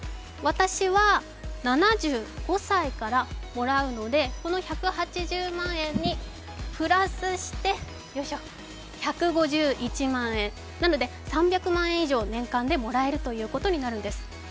私は、７５歳からもらうのでこの１８０万円にプラスして１５１万円、なので３００万円以上、年間でもらえるということになるんです。